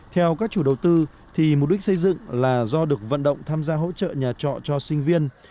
theo các chủ đầu tư thì mục đích xây dựng là do được vận động tham gia hỗ trợ nhà trọ cho sinh viên